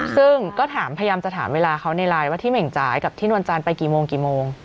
ซึ่งก็ถามพยายามจะถามเวลาเขาในไลน์ว่าที่เหม่งจ่ายกับที่นวลจันทร์ไปกี่โมงกี่โมง